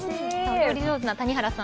料理上手な谷原さん